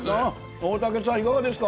大竹さん、いかがですか？